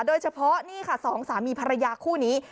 โดยเฉพาะนี่ค่ะสองสามีภรรยาคู่นี้